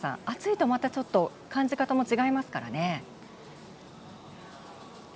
暑いとまたちょっと感じ方も違いますからね。